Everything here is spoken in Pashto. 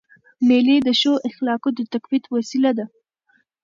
مېلې د ښو اخلاقو د تقویت وسیله دي.